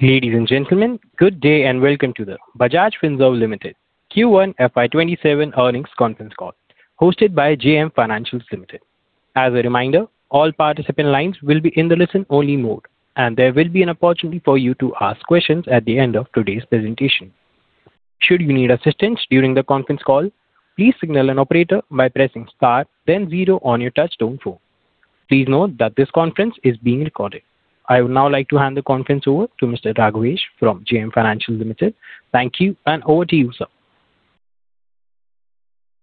Ladies and gentlemen, good day and welcome to the Bajaj Finserv Limited Q1 FY 2027 earnings conference call hosted by JM Financial Limited. As a reminder, all participant lines will be in the listen-only mode, and there will be an opportunity for you to ask questions at the end of today's presentation. Should you need assistance during the conference call, please signal an operator by pressing star then zero on your touchtone phone. Please note that this conference is being recorded. I would now like to hand the conference over to Mr. Raghvesh from JM Financial Limited. Thank you, and over to you, sir.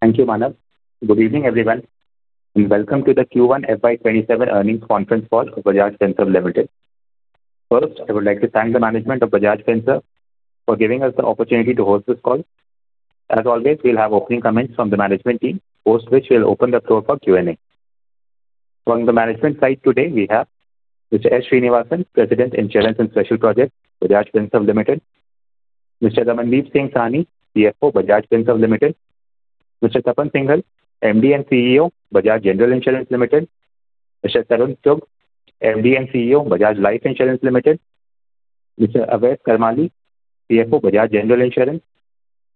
Thank you, Manav. Good evening, everyone, and welcome to the Q1 FY 2027 earnings conference call of Bajaj Finserv Limited. First, I would like to thank the management of Bajaj Finserv for giving us the opportunity to host this call. As always, we will have opening comments from the management team, post which we will open the floor for Q&A. From the management side today we have Mr. S. Sreenivasan, President, Insurance and Special Projects, Bajaj Finserv Limited. Mr. Ramandeep Singh Sahni, CFO, Bajaj Finserv Limited. Mr. Tapan Singhel, MD and CEO, Bajaj General Insurance Limited. Mr. Tarun Chugh, MD and CEO, Bajaj Life Insurance Limited. Mr. Avais Karmali, CFO, Bajaj General Insurance.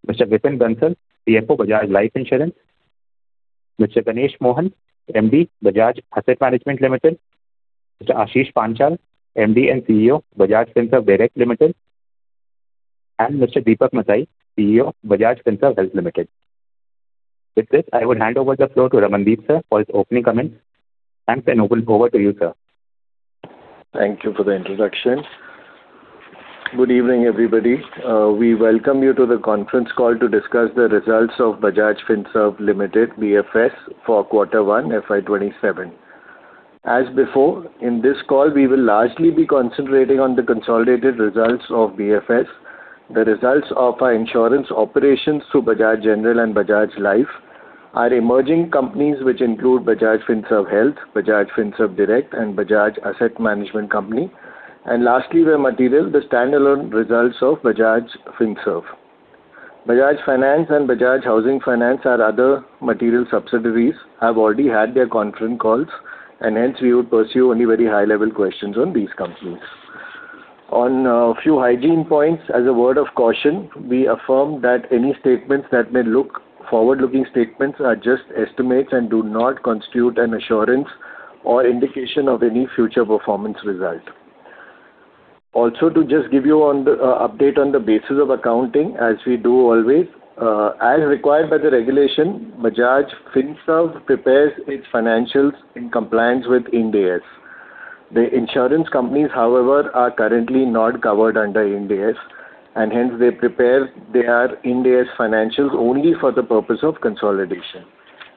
Mr. Vipin Bansal, CFO, Bajaj Life Insurance. Mr. Ganesh Mohan, MD, Bajaj Asset Management Limited. Mr. Ashish Panchal, MD and CEO, Bajaj Finserv Direct Limited, and Mr. Deepak Matai, CEO, Bajaj Finserv Health Limited. With this, I would hand over the floor to Ramandeep, sir, for his opening comments. Thanks, and over to you, sir. Thank you for the introduction. Good evening, everybody. We welcome you to the conference call to discuss the results of Bajaj Finserv Limited, BFS, for quarter one FY 2027. As before, in this call, we will largely be concentrating on the consolidated results of BFS, the results of our insurance operations through Bajaj General and Bajaj Life, our emerging companies, which include Bajaj Finserv Health, Bajaj Finserv Direct, and Bajaj Asset Management Company. Lastly, where material, the standalone results of Bajaj Finserv. Bajaj Finance and Bajaj Housing Finance, our other material subsidiaries, have already had their conference calls, and hence we would pursue only very high-level questions on these companies. On a few hygiene points, as a word of caution, we affirm that any statements that may look forward-looking statements are just estimates and do not constitute an assurance or indication of any future performance result. To just give you an update on the basis of accounting as we do always. As required by the regulation, Bajaj Finserv prepares its financials in compliance with Ind AS. The insurance companies, however, are currently not covered under Ind AS and hence they prepare their Ind AS financials only for the purpose of consolidation.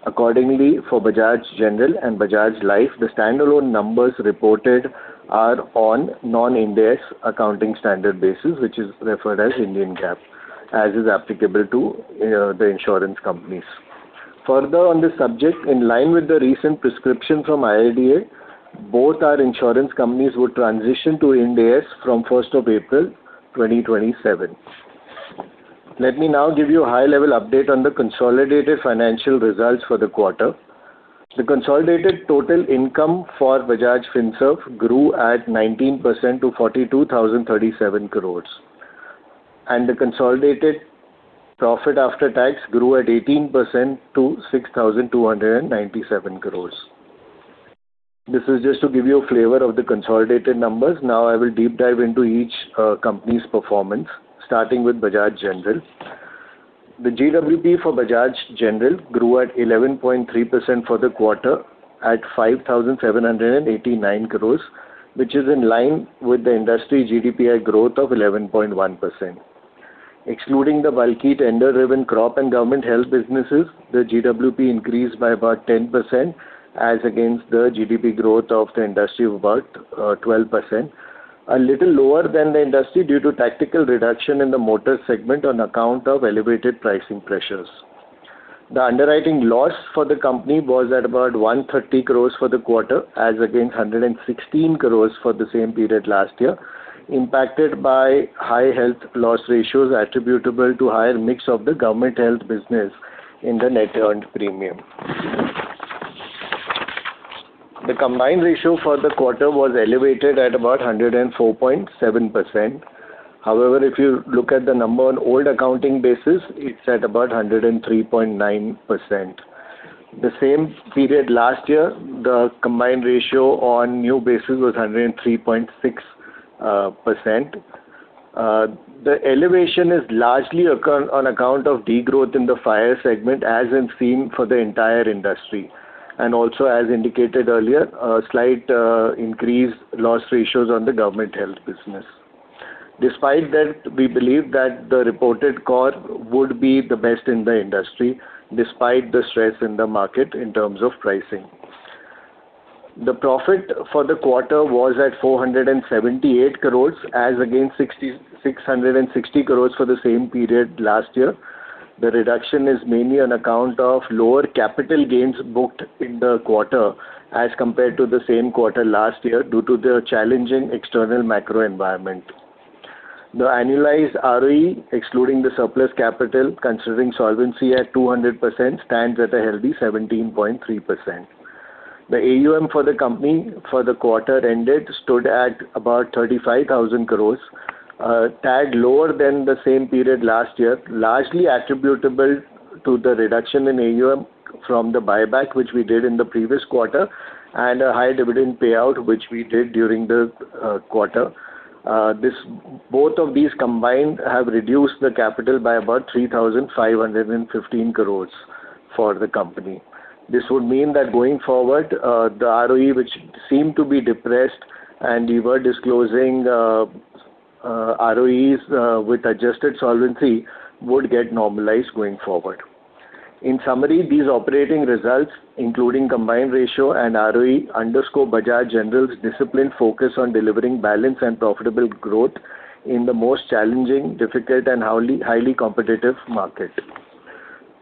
Accordingly, for Bajaj General and Bajaj Life, the standalone numbers reported are on non-Ind AS accounting standard basis, which is referred as Indian GAAP, as is applicable to the insurance companies. Further on this subject, in line with the recent prescription from IRDAI, both our insurance companies would transition to Ind AS from 1st of April 2027. Let me now give you a high-level update on the consolidated financial results for the quarter. The consolidated total income for Bajaj Finserv grew at 19% to 42,037 crore. The consolidated profit after tax grew at 18% to 6,297 crore. This is just to give you a flavor of the consolidated numbers. Now I will deep dive into each company's performance, starting with Bajaj General. The GWP for Bajaj General grew at 11.3% for the quarter at 5,789 crore, which is in line with the industry GDPI growth of 11.1%. Excluding the bulky tender-driven crop and government health businesses, the GWP increased by about 10% as against the GDPI growth of the industry of about 12%, a little lower than the industry due to tactical reduction in the motor segment on account of elevated pricing pressures. The underwriting loss for the company was at about 130 crore for the quarter as against 116 crore for the same period last year, impacted by high health loss ratios attributable to higher mix of the government health business in the net earned premium. The combined ratio for the quarter was elevated at about 104.7%. However, if you look at the number on old accounting basis, it's at about 103.9%. The same period last year, the combined ratio on new basis was 103.6%. The elevation is largely on account of degrowth in the fire segment as is seen for the entire industry and also as indicated earlier, a slight increase loss ratios on the government health business. Despite that, we believe that the reported COR would be the best in the industry despite the stress in the market in terms of pricing. The profit for the quarter was at 478 crore as against 660 crore for the same period last year. The reduction is mainly on account of lower capital gains booked in the quarter as compared to the same quarter last year due to the challenging external macro environment. The annualized ROE, excluding the surplus capital, considering solvency at 200%, stands at a healthy 17.3%. The AUM for the company for the quarter ended stood at about 35,000 crore, a tad lower than the same period last year, largely attributable to the reduction in AUM from the buyback which we did in the previous quarter and a high dividend payout which we did during the quarter. Both of these combined have reduced the capital by about 3,515 crore for the company. This would mean that going forward, the ROE, which seemed to be depressed and we were disclosing ROEs with adjusted solvency, would get normalized going forward. In summary, these operating results, including combined ratio and ROE, underscore Bajaj General's disciplined focus on delivering balanced and profitable growth in the most challenging, difficult, and highly competitive market.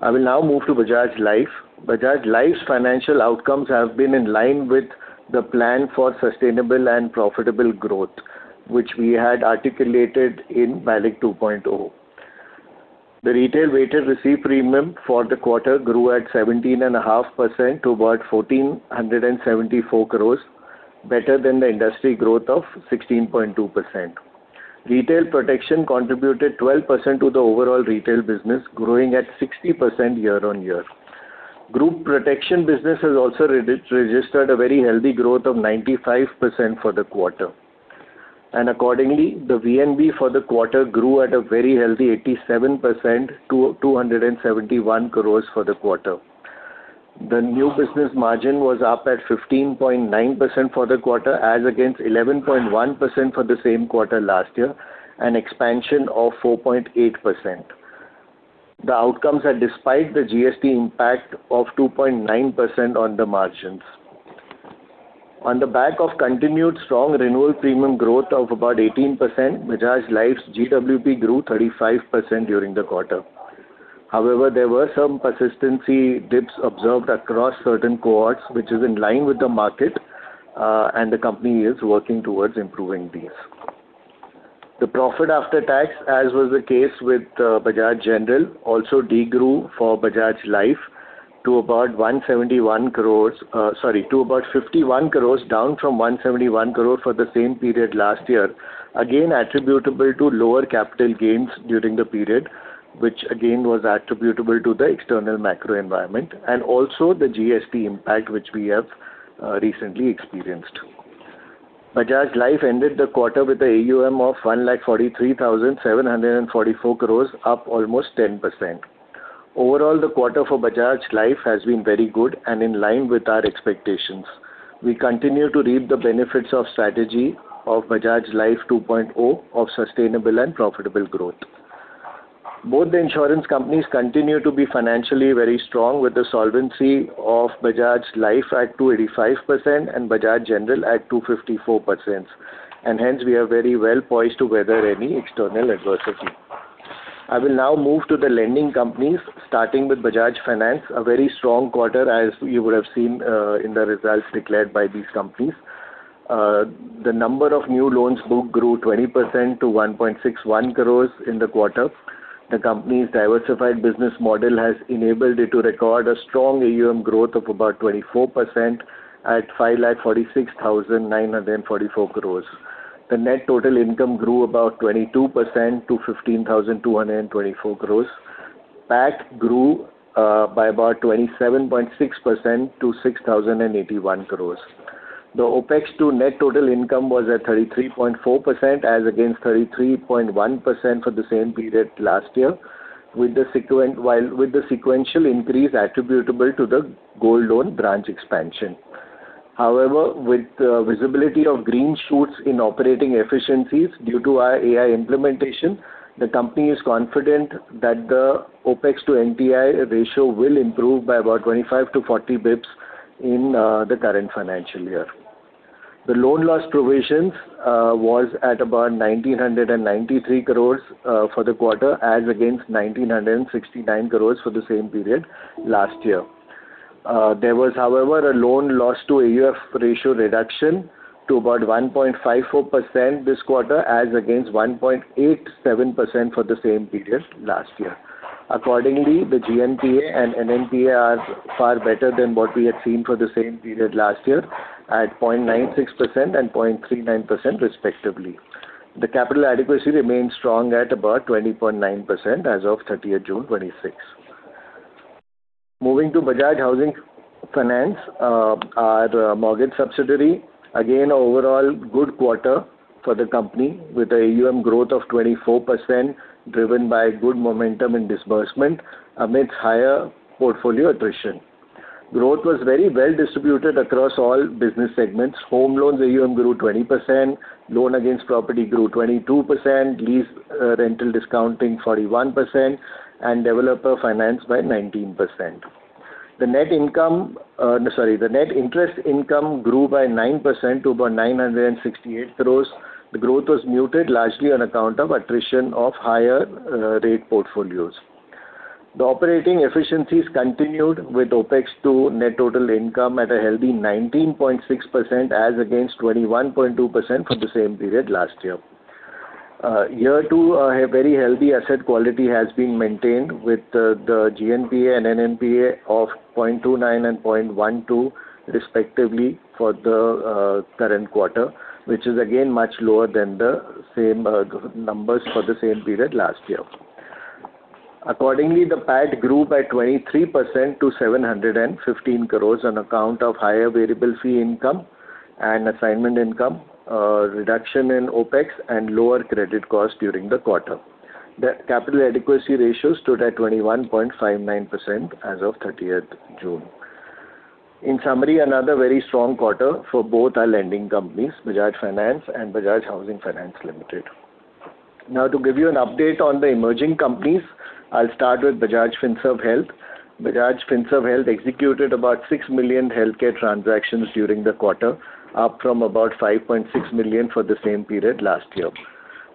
I will now move to Bajaj Life. Bajaj Life's financial outcomes have been in line with the plan for sustainable and profitable growth, which we had articulated in BALIC 2.0. The retail weighted received premium for the quarter grew at 17.5% to about 1,474 crores, better than the industry growth of 16.2%. Retail protection contributed 12% to the overall retail business, growing at 60% year-over-year. Group protection business has also registered a very healthy growth of 95% for the quarter. Accordingly, the VNB for the quarter grew at a very healthy 87% to 271 crores for the quarter. The new business margin was up at 15.9% for the quarter, as against 11.1% for the same quarter last year, an expansion of 4.8%. The outcomes are despite the GST impact of 2.9% on the margins. On the back of continued strong renewal premium growth of about 18%, Bajaj Life's GWP grew 35% during the quarter. However, there were some persistency dips observed across certain cohorts, which is in line with the market, and the company is working towards improving these. The profit after tax, as was the case with Bajaj General, also de-grew for Bajaj Life to about 51 crores, down from 171 crore for the same period last year. Again, attributable to lower capital gains during the period, which again was attributable to the external macro environment and also the GST impact, which we have recently experienced. Bajaj Life ended the quarter with an AUM of 143,744 crores, up almost 10%. Overall, the quarter for Bajaj Life has been very good and in line with our expectations. We continue to reap the benefits of strategy of Bajaj Life 2.0 of sustainable and profitable growth. Both the insurance companies continue to be financially very strong with the solvency of Bajaj Life at 285% and Bajaj General at 254%. Hence, we are very well poised to weather any external adversity. I will now move to the lending companies, starting with Bajaj Finance, a very strong quarter, as you would have seen in the results declared by these companies. The number of new loans book grew 20% to 1.61 crores in the quarter. The company's diversified business model has enabled it to record a strong AUM growth of about 24% at 546,944 crores. The net total income grew about 22% to 15,224 crores. PAT grew by about 27.6% to 6,081 crores. The OPEX to net total income was at 33.4% as against 33.1% for the same period last year, with the sequential increase attributable to the gold loan branch expansion. However, with visibility of green shoots in operating efficiencies due to our AI implementation, the company is confident that the OPEX to NTI ratio will improve by about 25-40 basis points in the current financial year. The loan loss provisions was at about 1,993 crores for the quarter as against 1,969 crores for the same period last year. There was, however, a loan loss to AUM ratio reduction to about 1.54% this quarter as against 1.87% for the same period last year. Accordingly, the GNPA and NNPA are far better than what we had seen for the same period last year at 0.96% and 0.39% respectively. The capital adequacy remains strong at about 20.9% as of 30th June 2026. Moving to Bajaj Housing Finance, our mortgage subsidiary. Again, overall good quarter for the company with AUM growth of 24%, driven by good momentum in disbursement amidst higher portfolio attrition. Growth was very well distributed across all business segments. Home loans AUM grew 20%, loan against property grew 22%, lease rental discounting 41%, and developer finance by 19%. The net interest income grew by 9% to about 968 crore. The growth was muted largely on account of attrition of higher rate portfolios. The operating efficiencies continued with OPEX to net total income at a healthy 19.6% as against 21.2% for the same period last year. Year two, a very healthy asset quality has been maintained with the GNPA and NNPA of 0.29% and 0.12% respectively for the current quarter, which is again much lower than the numbers for the same period last year. Accordingly, the PAT grew by 23% to 715 crore on account of higher variable fee income and assignment income, a reduction in OPEX, and lower credit cost during the quarter. The capital adequacy ratio stood at 21.59% as of 30th June. In summary, another very strong quarter for both our lending companies, Bajaj Finance and Bajaj Housing Finance Limited. Now to give you an update on the emerging companies, I'll start with Bajaj Finserv Health. Bajaj Finserv Health executed about 6 million healthcare transactions during the quarter, up from about 5.6 million for the same period last year.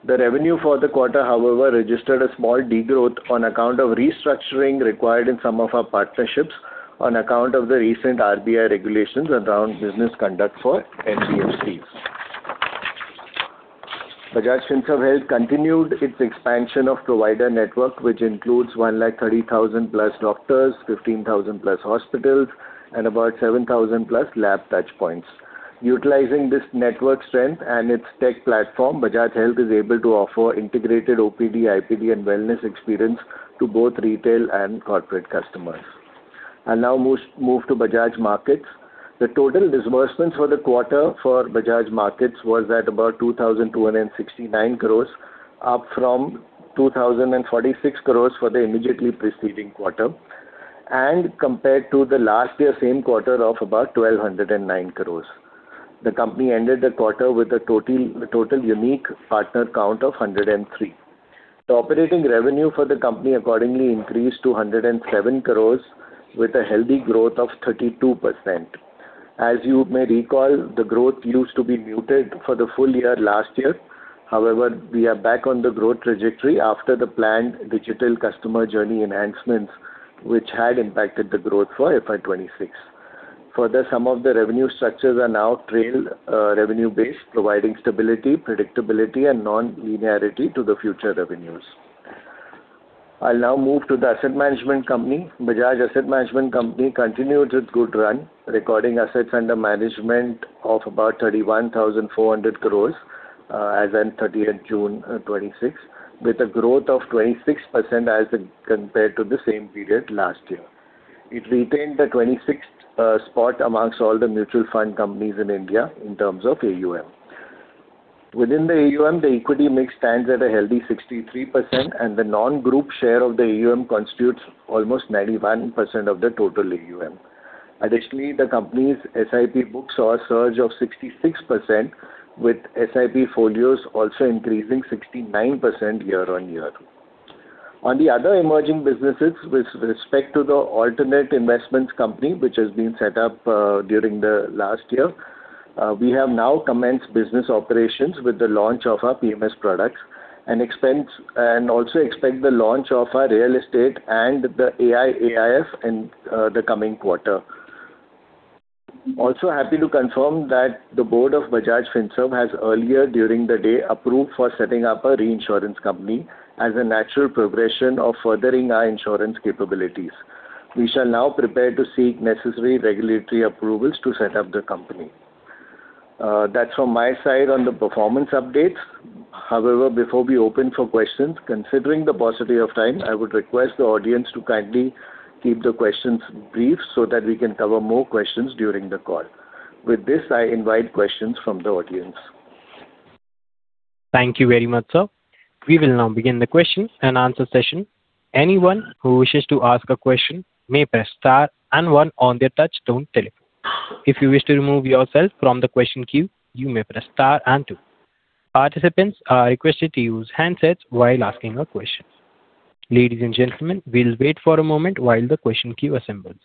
The revenue for the quarter, however, registered a small degrowth on account of restructuring required in some of our partnerships on account of the recent RBI regulations around business conduct for HFCs. Bajaj Finserv Health continued its expansion of provider network, which includes 130,000+ doctors, 15,000+ hospitals, and about 7,000+ lab touchpoints. Utilizing this network strength and its tech platform, Bajaj Health is able to offer integrated OPD, IPD, and wellness experience to both retail and corporate customers. I'll now move to Bajaj Markets. The total disbursements for the quarter for Bajaj Markets was at about 2,269 crore, up from 2,046 crore for the immediately preceding quarter, and compared to the last year same quarter of about 1,209 crore. The company ended the quarter with a total unique partner count of 103. The operating revenue for the company accordingly increased to 107 crore with a healthy growth of 32%. As you may recall, the growth used to be muted for the full year last year. However, we are back on the growth trajectory after the planned digital customer journey enhancements, which had impacted the growth for FY 2026. Further, some of the revenue structures are now trail revenue-based, providing stability, predictability, and non-linearity to the future revenues. I'll now move to the asset management company. Bajaj Asset Management company continued its good run, recording assets under management of about 31,400 crore as at 30th June 2026, with a growth of 26% as compared to the same period last year. It retained the 26th spot amongst all the mutual fund companies in India in terms of AUM. Within the AUM, the equity mix stands at a healthy 63%, and the non-group share of the AUM constitutes almost 91% of the total AUM. Additionally, the company's SIP book saw a surge of 66%, with SIP folios also increasing 69% year-on-year. On the other emerging businesses, with respect to the alternate investments company, which has been set up during the last year, we have now commenced business operations with the launch of our PMS products, and also expect the launch of our real estate and the AI AIF in the coming quarter. Also happy to confirm that the board of Bajaj Finserv has earlier during the day approved for setting up a reinsurance company as a natural progression of furthering our insurance capabilities. We shall now prepare to seek necessary regulatory approvals to set up the company. That's from my side on the performance updates. Before we open for questions, considering the paucity of time, I would request the audience to kindly keep the questions brief so that we can cover more questions during the call. With this, I invite questions from the audience. Thank you very much, sir. We will now begin the question-and-answer session. Anyone who wishes to ask a question may press star and one on their touchtone telephone. If you wish to remove yourself from the question queue, you may press star and two. Participants are requested to use handsets while asking a question. Ladies and gentlemen, we'll wait for a moment while the question queue assembles.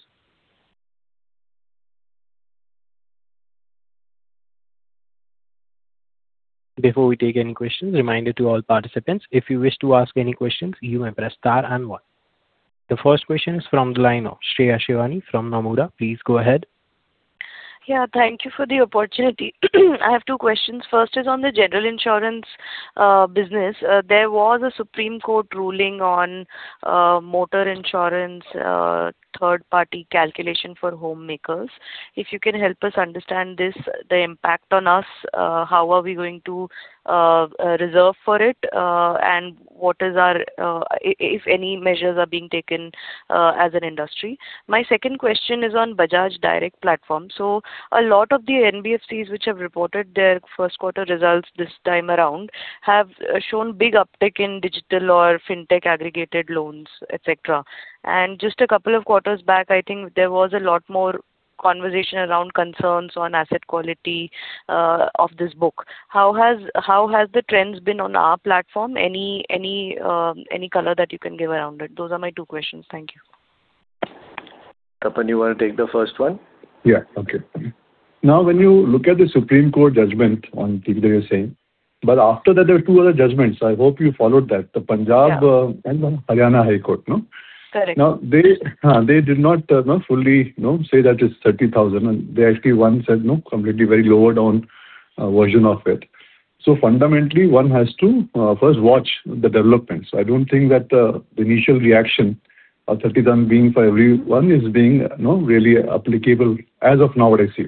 Before we take any questions, a reminder to all participants, if you wish to ask any questions, you may press star and one. The first question is from the line of Shreya Shivani from Nomura. Please go ahead. Yeah. Thank you for the opportunity. I have two questions. First is on the general insurance business. There was a Supreme Court ruling on motor insurance, third-party calculation for homemakers. If you can help us understand this, the impact on us, how are we going to reserve for it, and if any measures are being taken as an industry. My second question is on Bajaj Direct platform. So a lot of the NBFCs which have reported their first quarter results this time around have shown big uptick in digital or fintech aggregated loans, etc. Just a couple of quarters back, I think there was a lot more conversation around concerns on asset quality of this book. How has the trends been on our platform? Any color that you can give around it? Those are my two questions. Thank you. Tapan, you want to take the first one? Yeah. Okay. When you look at the Supreme Court judgment on TP that you're saying, after that, there are two other judgments. I hope you followed that. The Punjab and Haryana High Court. Correct. They did not fully say that it's 30,000. They actually once said completely very lowered down version of it. Fundamentally, one has to first watch the developments. I don't think that the initial reaction of 30,000 being for everyone is being really applicable as of now what I see.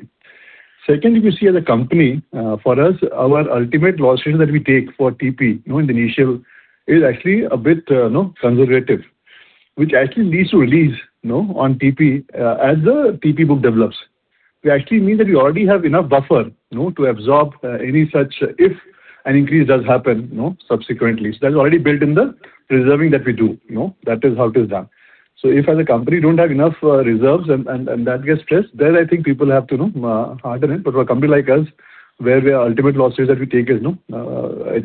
Second, if you see as a company, for us, our ultimate loss ratio that we take for TP in the initial is actually a bit conservative, which actually needs to release on TP as the TP book develops. We actually mean that we already have enough buffer to absorb any such if an increase does happen subsequently. That's already built in the reserving that we do. That is how it is done. If as a company don't have enough reserves and that gets stressed, then I think people have to harden it. For a company like us, where the ultimate loss ratio that we take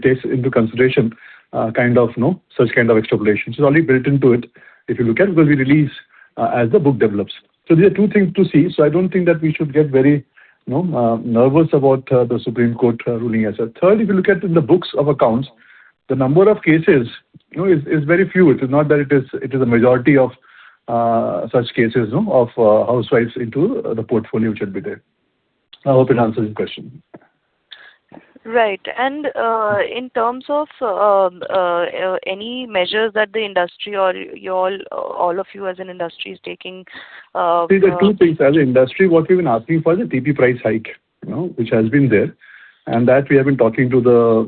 takes into consideration such kind of extrapolation. It's already built into it. If you look at when we release as the book develops. There are two things to see. I don't think that we should get very nervous about the Supreme Court ruling as such. Third, if you look at in the books of accounts, the number of cases is very few. It is not that it is a majority of such cases of housewives into the portfolio which will be there. I hope it answers your question. Right. In terms of any measures that the industry or all of you as an industry is taking- See, there are two things. As an industry, what we've been asking for is a TP price hike which has been there. We have been talking to the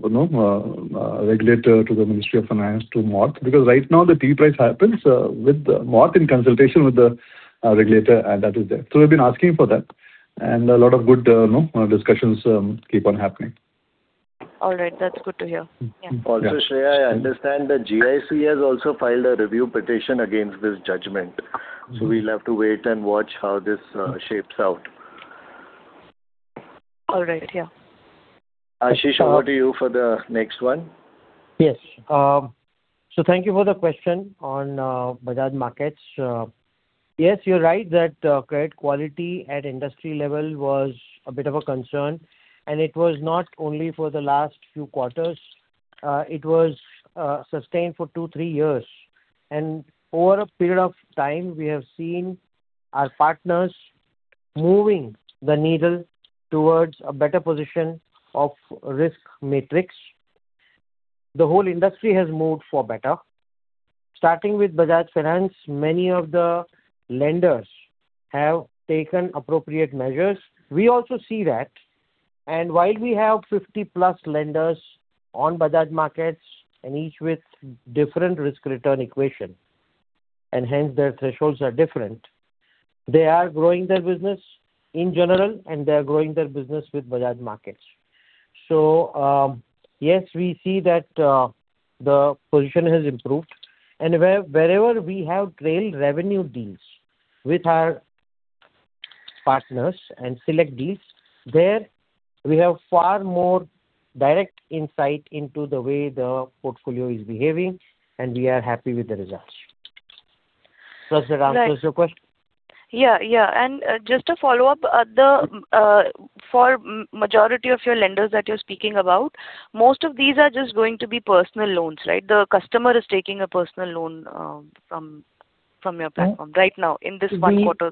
regulator, to the Ministry of Finance, to MoF, because right now the TP price happens with MoF in consultation with the regulator, and that is there. We've been asking for that. A lot of good discussions keep on happening. All right. That's good to hear. Yeah. Shreya, I understand that GIC has also filed a review petition against this judgment. We'll have to wait and watch how this shapes out. All right. Yeah. Ashish, over to you for the next one. Yes. Thank you for the question on Bajaj Markets. Yes, you're right that credit quality at industry level was a bit of a concern, and it was not only for the last few quarters. It was sustained for two, three years. Over a period of time, we have seen our partners moving the needle towards a better position of risk matrix. The whole industry has moved for better. Starting with Bajaj Finance, many of the lenders have taken appropriate measures. We also see that. While we have 50+ lenders on Bajaj Markets and each with different risk-return equation, and hence their thresholds are different, they are growing their business in general and they are growing their business with Bajaj Markets. Yes, we see that the position has improved. Wherever we have trailed revenue deals with our partners and select deals, there we have far more direct insight into the way the portfolio is behaving, and we are happy with the results. Does that answer your question? Yeah. Just a follow-up. For majority of your lenders that you're speaking about, most of these are just going to be personal loans, right? The customer is taking a personal loan from your platform right now in this one quarter.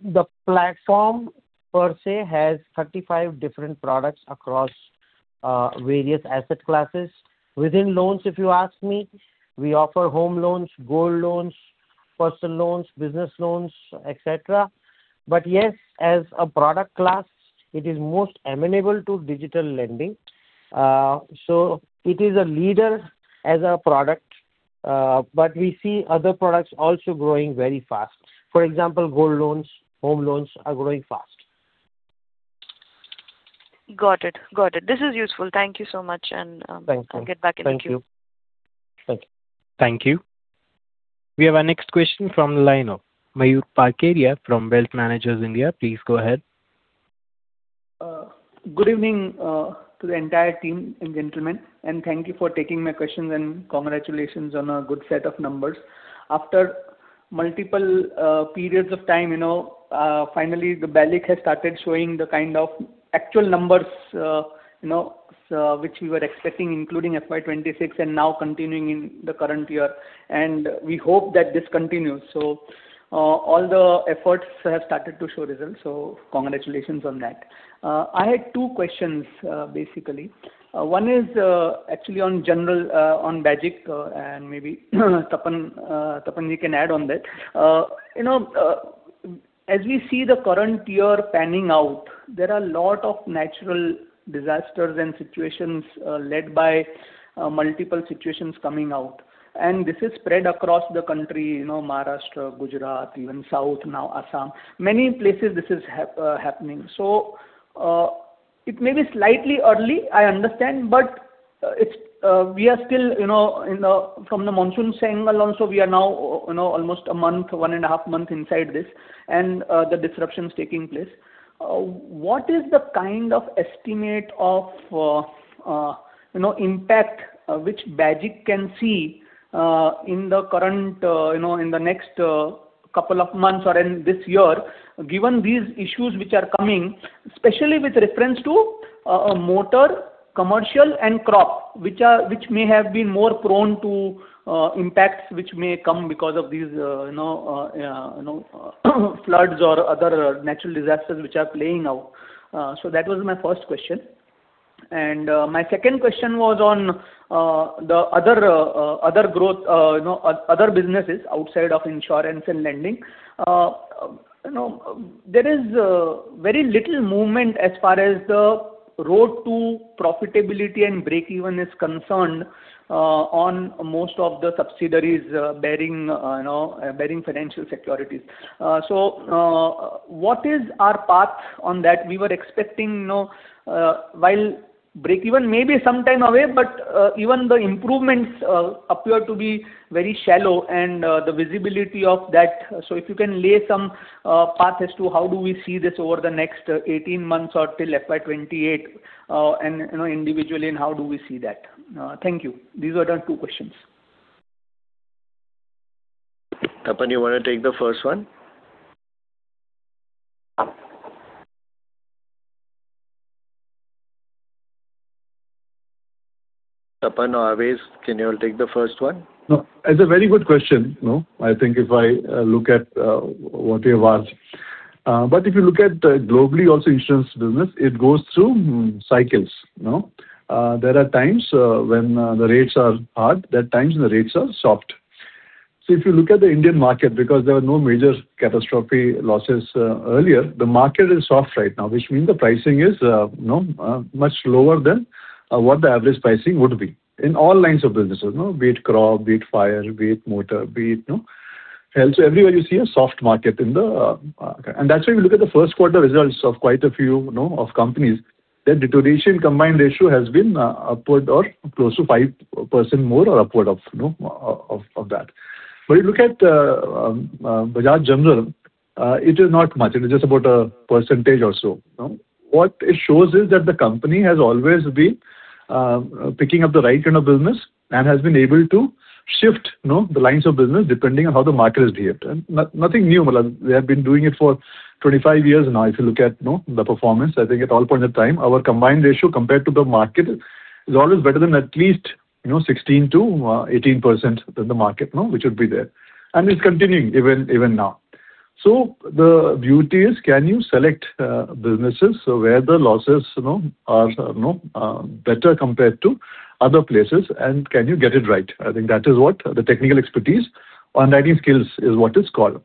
The platform per se has 35 different products across various asset classes. Within loans, if you ask me, we offer home loans, gold loans, personal loans, business loans, etc. Yes, as a product class, it is most amenable to digital lending. It is a leader as a product, but we see other products also growing very fast. For example, gold loans, home loans are growing fast. Got it. This is useful. Thank you so much. Thank you I'll get back in the queue. Thank you. Thank you. We have our next question from the line of Mayur Parkeria from Wealth Managers India. Please go ahead. Good evening to the entire team and gentlemen, and thank you for taking my questions and congratulations on a good set of numbers. After multiple periods of time, finally the BALIC has started showing the kind of actual numbers which we were expecting, including FY 2026 and now continuing in the current year. We hope that this continues. All the efforts have started to show results, so congratulations on that. I had two questions, basically. One is actually on general on BALIC and maybe Tapan, you can add on that. As we see the current year panning out, there are lot of natural disasters and situations led by multiple situations coming out, and this is spread across the country, Maharashtra, Gujarat, even south now Assam. Many places this is happening. It may be slightly early, I understand, but we are still from the monsoon angle also, we are now almost a month, one and a half month inside this and the disruptions taking place. What is the kind of estimate of impact which BALIC can see in the next couple of months or in this year. Given these issues which are coming especially with reference to motor, commercial, and crop, which may have been more prone to impacts which may come because of these floods or other natural disasters which are playing out. That was my first question. My second question was on the other businesses outside of insurance and lending. There is very little movement as far as the road to profitability and breakeven is concerned on most of the subsidiaries barring financial securities. What is our path on that? We were expecting while breakeven may be some time away, but even the improvements appear to be very shallow and the visibility of that. If you can lay some path as to how do we see this over the next 18 months or till FY 2028, and individually and how do we see that? Thank you. These are the two questions. Tapan, you want to take the first one? Tapan or Avais, can you take the first one? No, it's a very good question. I think if I look at what you have asked. If you look at globally also, insurance business, it goes through cycles. There are times when the rates are hard, there are times the rates are soft. If you look at the Indian market, because there were no major catastrophe losses earlier, the market is soft right now, which means the pricing is much lower than what the average pricing would be in all lines of businesses, be it crop, be it fire, be it motor. Everywhere you see a soft market. That's why you look at the first quarter results of quite a few of companies, their deterioration combined ratio has been upward or close to 5% more or upward of that. If you look at Bajaj General, it is not much. It is just about a percentage or so. What it shows is that the company has always been picking up the right kind of business and has been able to shift the lines of business depending on how the market has behaved. Nothing new. They have been doing it for 25 years now. If you look at the performance, I think at all point of time, our combined ratio compared to the market is always better than at least 16%-18% than the market, which would be there, and it's continuing even now. The beauty is can you select businesses where the losses are better compared to other places, and can you get it right? I think that is what the technical expertise, underwriting skills is what it's called.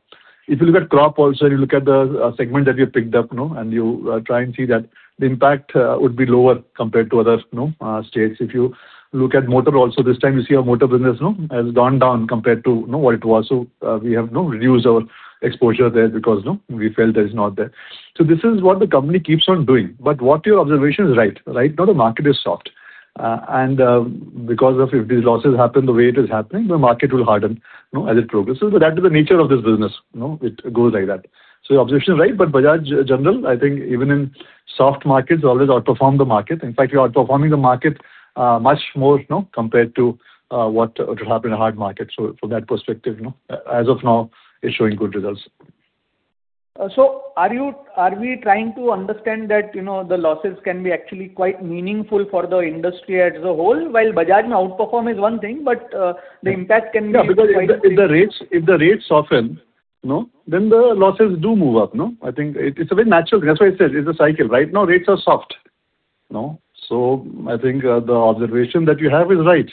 If you look at crop also, you look at the segment that you have picked up, and you try and see that the impact would be lower compared to other states. If you look at motor also, this time you see our motor business has gone down compared to what it was. We have now reduced our exposure there because we felt that it's not there. This is what the company keeps on doing. Your observation is right. Right now the market is soft. Because of if these losses happen the way it is happening, the market will harden as it progresses. That is the nature of this business. It goes like that. Your observation is right, Bajaj General, I think even in soft markets, always outperform the market. In fact, we are outperforming the market much more compared to what would have happened in a hard market. From that perspective, as of now, it's showing good results. Are we trying to understand that the losses can be actually quite meaningful for the industry as a whole, while Bajaj may outperform is one thing, but the impact can be. Yeah, because if the rates soften, the losses do move up. I think it's very natural. That's why I said it's a cycle. Right now rates are soft. I think the observation that you have is right.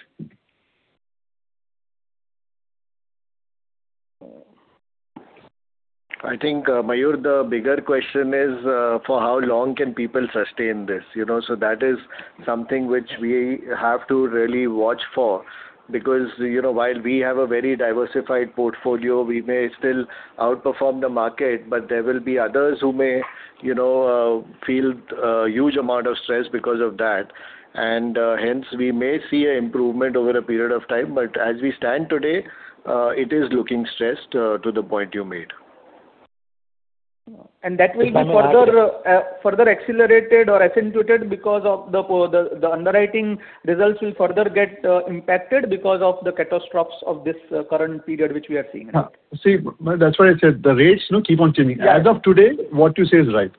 I think, Mayur, the bigger question is, for how long can people sustain this? That is something which we have to really watch for because, while we have a very diversified portfolio, we may still outperform the market, but there will be others who may feel a huge amount of stress because of that. Hence, we may see a improvement over a period of time. As we stand today, it is looking stressed to the point you made. That will be further accelerated or accentuated because the underwriting results will further get impacted because of the catastrophes of this current period which we are seeing now. That's why I said the rates keep on changing. As of today, what you say is right.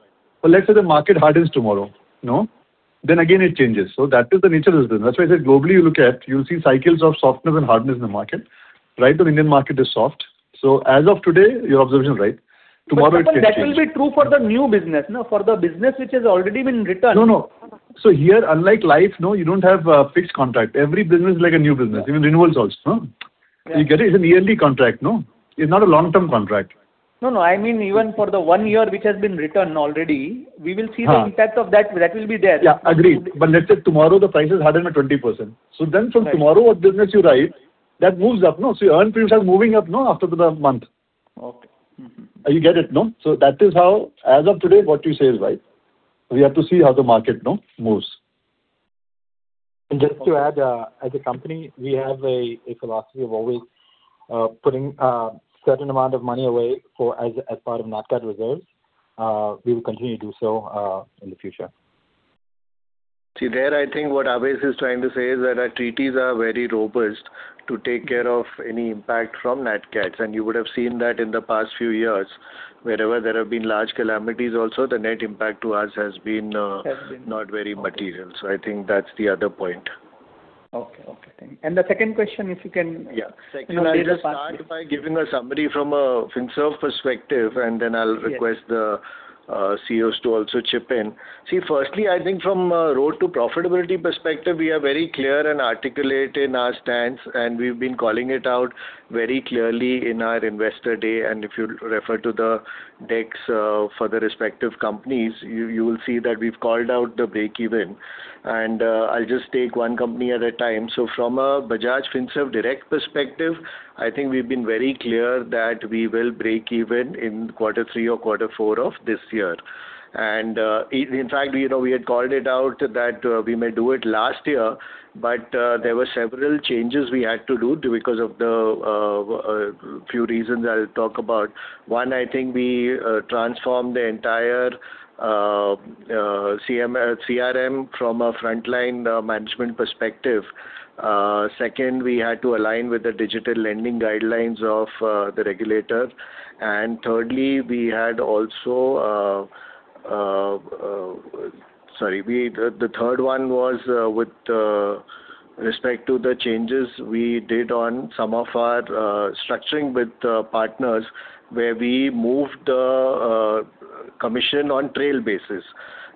Let's say the market hardens tomorrow. Again, it changes. That is the nature of this business. That's why I said globally you look at, you'll see cycles of softness and hardness in the market. Right now the Indian market is soft. As of today, your observation is right. Tomorrow it may change. That will be true for the new business. For the business which has already been written. No, no. Here, unlike life, you don't have a fixed contract. Every business is like a new business, even renewals also. Yeah. You get it? It's an yearly contract. It's not a long-term contract. No, no, I mean even for the one year which has been written already, we will see. The impact of that will be there. Yeah, agreed. Let's say tomorrow the price is higher by 20%. From tomorrow, what business you write, that moves up. Your earned premium is moving up after the month. Okay. You get it, no? That is how, as of today, what you say is right. We have to see how the market moves. Just to add, as a company, we have a philosophy of always putting a certain amount of money away as part of Nat Cat reserves. We will continue to do so in the future. See there, I think what Avais is trying to say is that our treaties are very robust to take care of any impact from Nat Cats. You would have seen that in the past few years, wherever there have been large calamities, also, the net impact to us has been not very material. I think that's the other point. Okay. Thank you. The second question, if you can- Yeah. Second, I'll just start by giving a summary from a Finserv perspective. Then I'll request the CEOs to also chip in. Firstly, I think from a road to profitability perspective, we are very clear and articulate in our stance. We've been calling it out very clearly in our investor day. If you refer to the decks for the respective companies, you will see that we've called out the break-even. I'll just take one company at a time. From a Bajaj Finserv Direct perspective, I think we've been very clear that we will break even in Q3 or Q4 of this year. In fact, we had called it out that we may do it last year, but there were several changes we had to do because of the few reasons I'll talk about. One, I think we transformed the entire CRM from a frontline management perspective. Second, we had to align with the digital lending guidelines of the regulator. Thirdly, the third one was with respect to the changes we did on some of our structuring with partners where we moved commission on trail basis.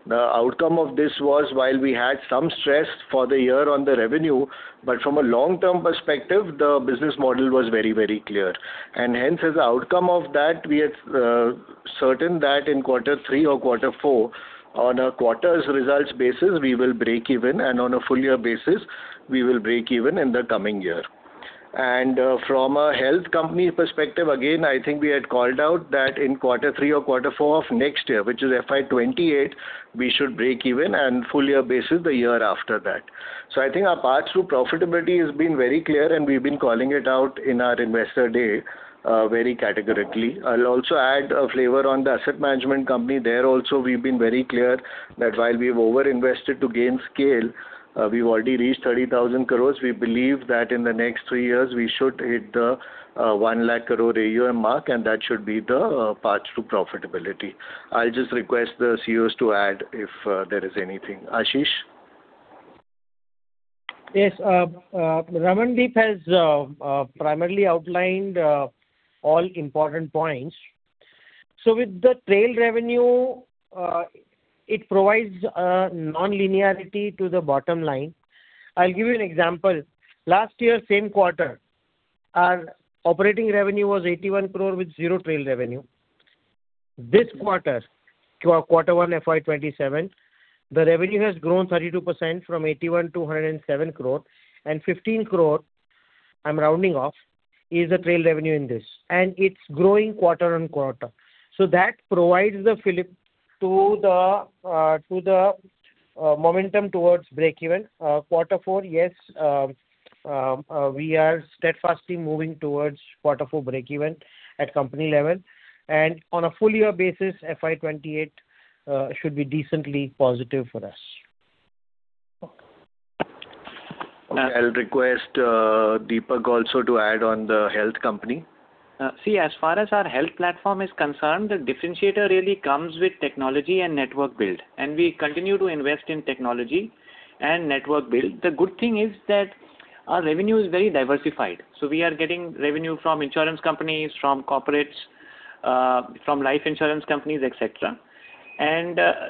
The outcome of this was while we had some stress for the year on the revenue, but from a long-term perspective, the business model was very clear. Hence as an outcome of that, we are certain that in quarter three or quarter four on a quarters results basis, we will break even and on a full year basis, we will break even in the coming year. From a Bajaj Finserv Health perspective, again, I think we had called out that in quarter three or quarter four of next year, which is FY 2028, we should break even and full year basis the year after that. I think our path to profitability has been very clear. We've been calling it out in our investor day very categorically. I'll also add a flavor on the Bajaj Finserv Asset Management. There also, we've been very clear that while we've over-invested to gain scale, we've already reached 30,000 crore. We believe that in the next three years, we should hit the 1 lakh crore AUM mark, and that should be the path to profitability. I'll just request the CEOs to add if there is anything. Ashish? Yes. Ramandeep has primarily outlined all important points. With the trail revenue, it provides non-linearity to the bottom line. I'll give you an example. Last year, same quarter, our operating revenue was 81 crore with zero trail revenue. This quarter, quarter one, FY 2027, the revenue has grown 32% from 81 crore to 107 crore, 15 crore, I'm rounding off, is the trail revenue in this. It's growing quarter-on-quarter. That provides the fillip to the momentum towards break-even. Quarter four, yes, we are steadfastly moving towards quarter four break-even at company level. On a full year basis, FY 2028 should be decently positive for us. Okay. I'll request Deepak also to add on the Health company. As far as our health platform is concerned, the differentiator really comes with technology and network build, we continue to invest in technology and network build. The good thing is that our revenue is very diversified. We are getting revenue from insurance companies, from corporates, from life insurance companies, etc.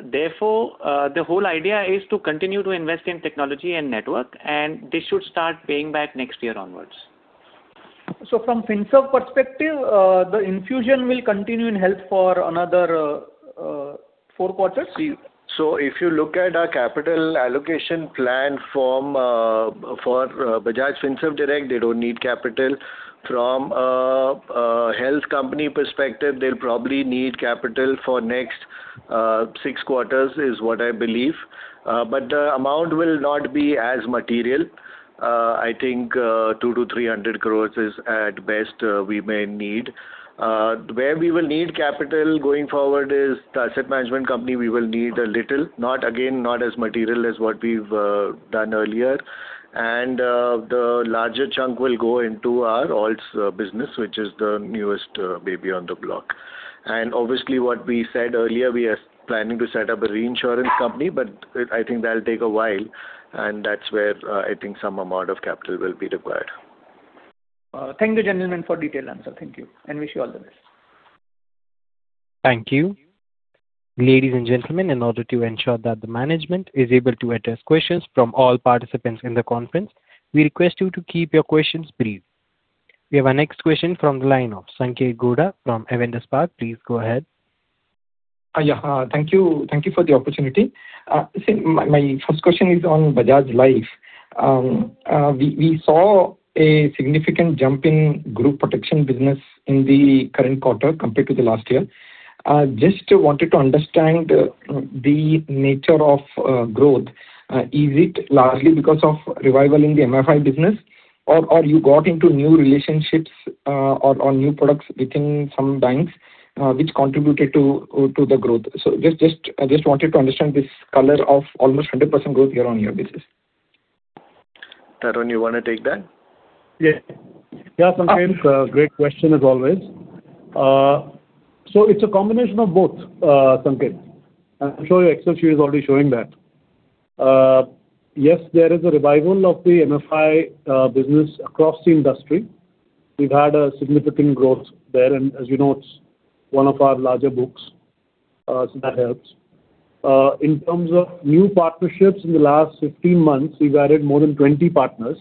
Therefore, the whole idea is to continue to invest in technology and network, this should start paying back next year onwards. From Finserv perspective, the infusion will continue in Health for another four quarters? If you look at our capital allocation plan for Bajaj Finserv Direct, they don't need capital. From a health company perspective, they'll probably need capital for next six quarters, is what I believe. The amount will not be as material. I think 200 crore-300 crore is at best we may need. Where we will need capital going forward is the asset management company. We will need a little, again, not as material as what we've done earlier. The larger chunk will go into our alts business, which is the newest baby on the block. Obviously, what we said earlier, we are planning to set up a reinsurance company, I think that'll take a while, and that's where I think some amount of capital will be required. Thank you, gentlemen, for detailed answer. Thank you, wish you all the best. Thank you. Ladies and gentlemen, in order to ensure that the management is able to address questions from all participants in the conference, we request you to keep your questions brief. We have our next question from the line of Sanketh Godha from Avendus Spark. Please go ahead. Thank you for the opportunity. My first question is on Bajaj Life. We saw a significant jump in group protection business in the current quarter compared to the last year. Just wanted to understand the nature of growth. Is it largely because of revival in the MFI business, or you got into new relationships or new products within some banks, which contributed to the growth? I just wanted to understand this color of almost 100% growth year-on-year basis. Tarun, you want to take that? Sanketh, great question as always. It's a combination of both, Sanketh. I'm sure your excel sheet is already showing that. Yes, there is a revival of the MFI business across the industry. We've had a significant growth there, and as you know, it's one of our larger books, so that helps. In terms of new partnerships in the last 15 months, we've added more than 20 partners.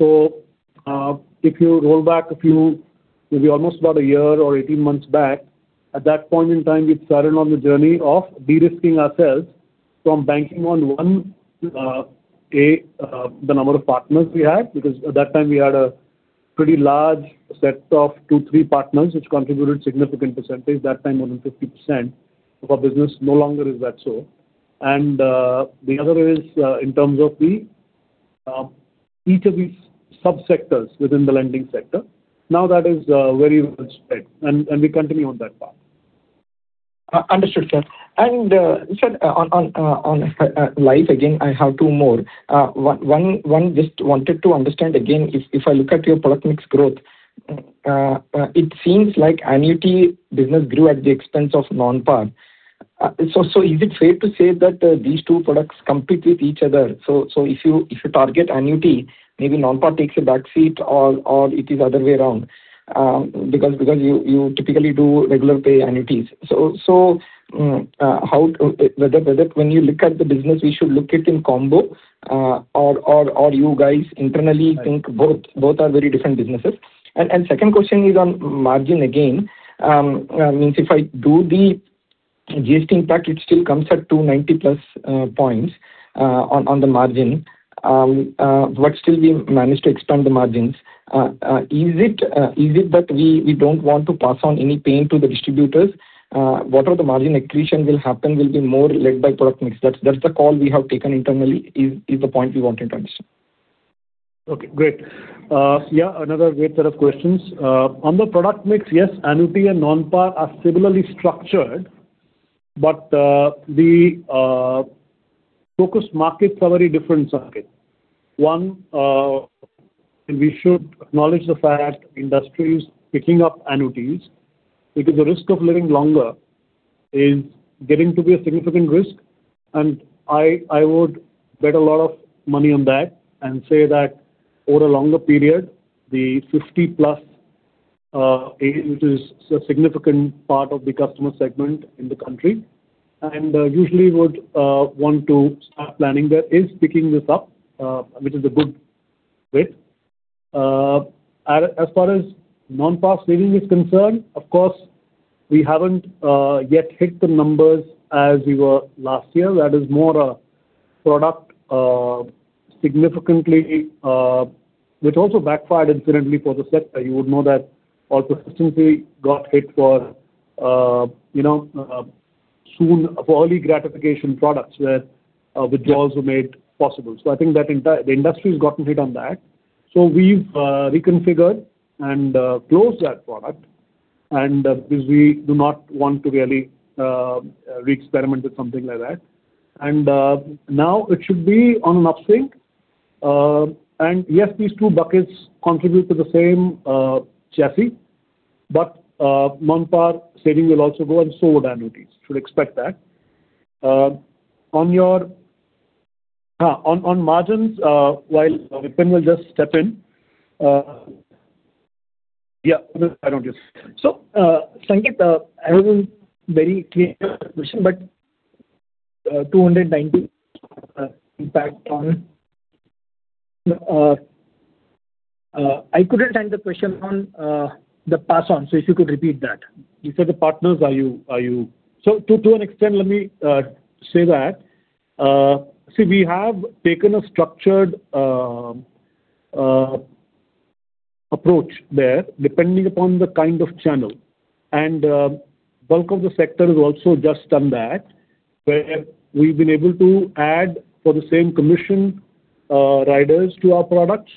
If you roll back a few, maybe almost about a year or 18 months back. At that point in time, we'd started on the journey of de-risking ourselves from banking on one, A, the number of partners we had, because at that time, we had a pretty large set of two, three partners, which contributed significant percentage, that time more than 50%, of our business. No longer is that so. The other way is in terms of each of these sub-sectors within the lending sector. That is very well spread, and we continue on that path. Understood, sir. Sir, on Life again, I have two more. One, just wanted to understand again, if I look at your product mix growth, it seems like annuity business grew at the expense of non-par. Is it fair to say that these two products compete with each other? If you target annuity, maybe non-par takes a back seat or it is other way around because you typically do regular pay annuities. Whether when you look at the business, we should look it in combo or you guys internally think both are very different businesses? Second question is on margin again. Means if I do the GST impact, it still comes at 290 plus points on the margin, still we've managed to expand the margins. Is it that we don't want to pass on any pain to the distributors? Whatever the margin accretion will happen will be more led by product mix. That's the call we have taken internally is the point we want to understand. Okay, great. Another great set of questions. On the product mix, yes, annuity and non-par are similarly structured, but the focus markets are very different, Sanketh. One. We should acknowledge the fact industry is picking up annuities because the risk of living longer is getting to be a significant risk and I would bet a lot of money on that and say that over longer period, the 50+ age, which is a significant part of the customer segment in the country and usually would want to start planning there, is picking this up which is a good bit. As far as non-par saving is concerned, of course, we haven't yet hit the numbers as we were last year. That is more a product which also backfired incidentally for the sector. You would know that our persistency got hit for early gratification products where withdrawals were made possible. I think the industry's gotten hit on that. We've reconfigured and closed that product because we do not want to really re-experiment with something like that. Now it should be on an upswing. Yes, these two buckets contribute to the same chassis but non-par saving will also grow and so would annuities. Should expect that. On margins, while Vipin will just step in. Why don't you? Sanketh, I wasn't very clear on your question, but 290 impact. I couldn't understand the question on the pass on. If you could repeat that. You said the partners. To an extent, let me say, we have taken a structured approach there depending upon the kind of channel. Bulk of the sector has also just done that where we've been able to add for the same commission riders to our products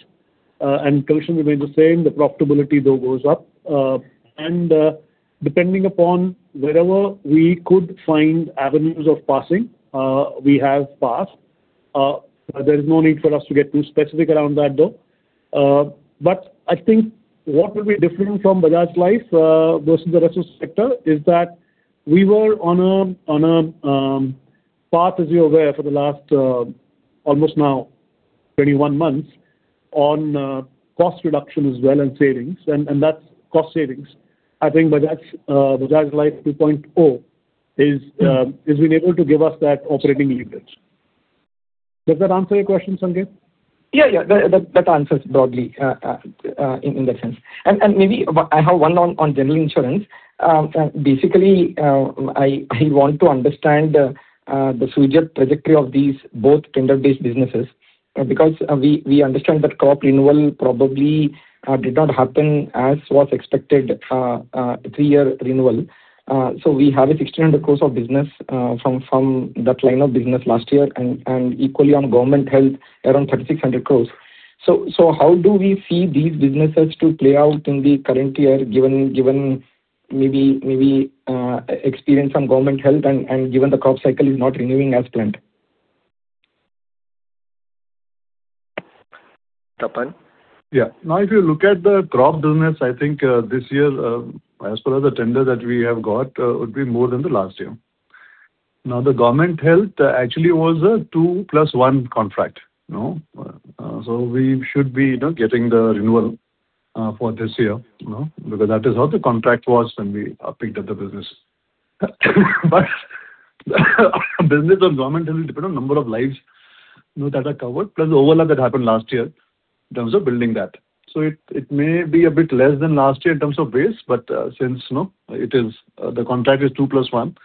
and commission remains the same, the profitability though goes up. Depending upon wherever we could find avenues of passing, we have passed. There is no need for us to get too specific around that, though. I think what will be different from Bajaj Life versus the rest of the sector is that we were on a path, as you're aware, for the last almost now 21 months on cost reduction as well and cost savings. I think Bajaj Life 2.0 has been able to give us that operating leverage. Does that answer your question, Sanketh? That answers broadly in that sense. Maybe I have one on general insurance. Basically, I want to understand the future trajectory of these both tender-based businesses because we understand that crop renewal probably did not happen as was expected, three-year renewal. We have a 1,600 crore of business from that line of business last year and equally on government health around 3,600 crore. How do we see these businesses play out in the current year, given maybe experience some government health and given the crop cycle is not renewing as planned? Tapan? If you look at the crop business, I think this year, as per the tender that we have got would be more than the last year. The government health actually was a two plus one contract. We should be getting the renewal for this year because that is how the contract was when we picked up the business. Business or government doesn't depend on number of lives that are covered, plus the overlap that happened last year in terms of building that. It may be a bit less than last year in terms of base, but since the contract is 2 + 1,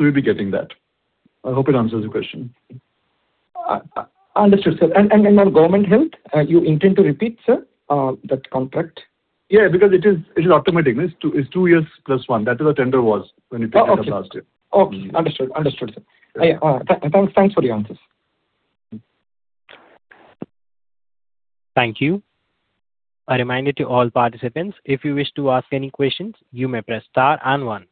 we'll be getting that. I hope it answers your question. Understood, sir. On government health, you intend to repeat, sir, that contract? Yeah, because it is automatic. It's 2 years + 1. That is how tender was when we picked it up last year. Okay. Understood, sir. Thanks for the answers. Thank you. A reminder to all participants, if you wish to ask any questions, you may press star and one.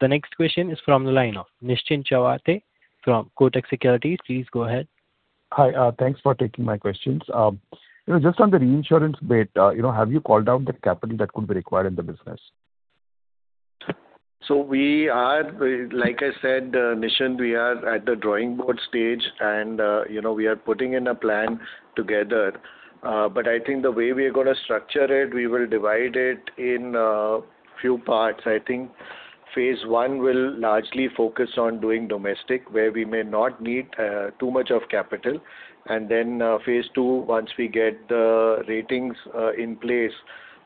The next question is from the line of Nischint Chawathe from Kotak Securities. Please go ahead. Hi. Thanks for taking my questions. Just on the reinsurance bit, have you called out the capital that could be required in the business? We are, like I said, Nischint, we are at the drawing board stage and we are putting in a plan together. I think the way we're going to structure it, we will divide it in a few parts. I think phase I will largely focus on doing domestic, where we may not need too much of capital. Then phase II, once we get the ratings in place,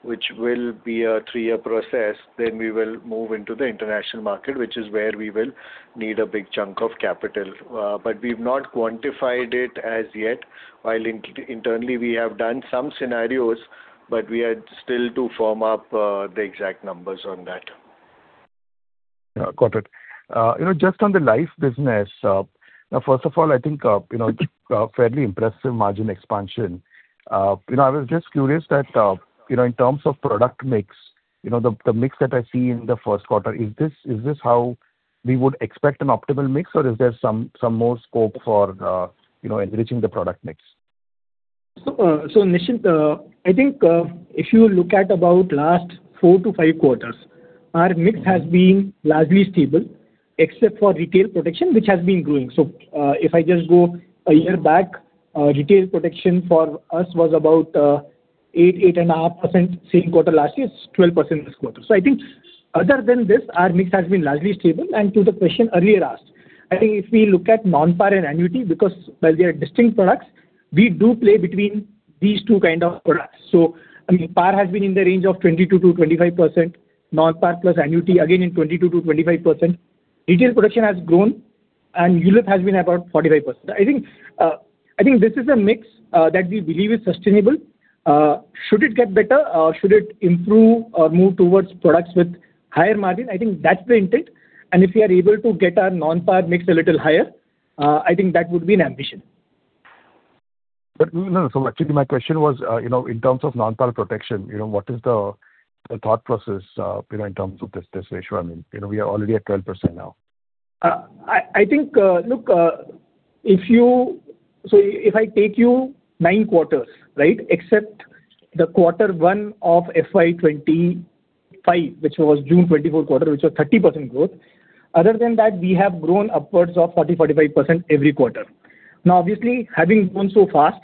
which will be a three-year process, then we will move into the international market, which is where we will need a big chunk of capital. We've not quantified it as yet. While internally we have done some scenarios, but we are still to firm up the exact numbers on that. Got it. Just on the life business, first of all, I think, fairly impressive margin expansion. I was just curious that in terms of product mix, the mix that I see in the first quarter, is this how we would expect an optimal mix or is there some more scope for enriching the product mix? Nischint, I think if you look at about last four to five quarters, our mix has been largely stable except for retail protection, which has been growing. If I just go a year back, retail protection for us was about 8%-8.5% same quarter last year, it's 12% this quarter. I think other than this, our mix has been largely stable. To the question earlier asked, I think if we look at non-par and annuity, because while they are distinct products, we do play between these two kind of products. I mean, par has been in the range of 22%-25%, non-par plus annuity again in 22%-25%. Retail protection has grown and ULIP has been about 45%. I think this is a mix that we believe is sustainable. Should it get better or should it improve or move towards products with higher margin, I think that's the intent. If we are able to get our non-par mix a little higher, I think that would be an ambition. No, actually my question was in terms of non-par protection, what is the thought process in terms of this ratio? I mean, we are already at 12% now. I think, look, if I take you nine quarters, right, except the quarter one of FY 2025, which was June 2024 quarter, which was 30% growth. Other than that, we have grown upwards of 40%-45% every quarter. Obviously, having grown so fast,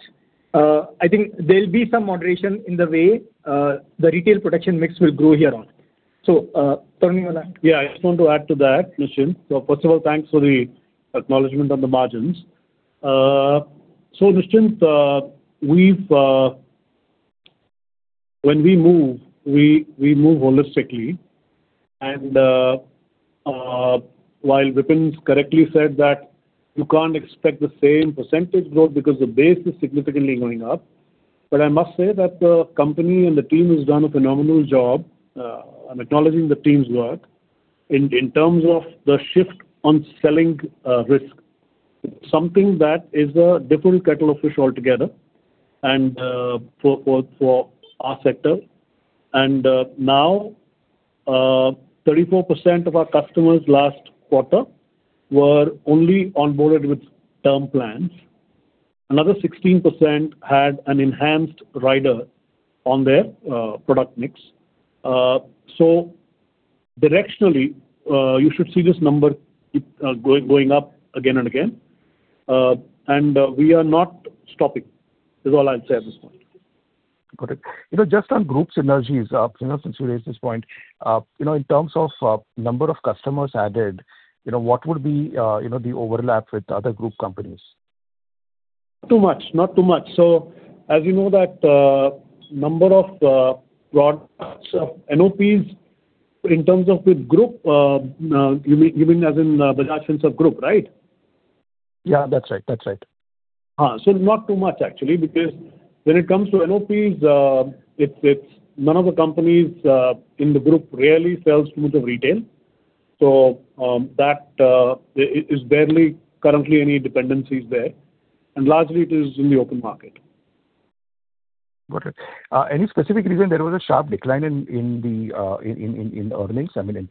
I think there'll be some moderation in the way the retail protection mix will grow hereon. Tarun, you want to add? Yeah, I just want to add to that,. First of all, thanks for the acknowledgement on the margins. Nischint, when we move, we move holistically and while Vipin's correctly said that you can't expect the same percentage growth because the base is significantly going up. I must say that the company and the team has done a phenomenal job on acknowledging the team's work in terms of the shift on selling risk, something that is a different kettle of fish altogether for our sector. Now, 34% of our customers last quarter were only onboarded with term plans. Another 16% had an enhanced rider on their product mix. Directionally, you should see this number keep going up again and again. We are not stopping, is all I'll say at this point. Got it. Just on group synergies, since you raised this point, in terms of number of customers added, what would be the overlap with other group companies? Not too much. As you know that number of NOPs in terms of with group, you mean as in Bajaj Finserv group, right? Yeah, that's right. Not too much actually because when it comes to NOPs, none of the companies in the group really sells much of retail. There is barely currently any dependencies there, and largely it is in the open market. Got it. Any specific reason there was a sharp decline in the earnings, I mean,